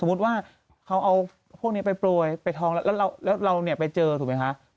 สมมุติว่าเขาเอาพวกนี้ไปปล่วยไปทองแล้วเราไปเจอถูกไหมคะ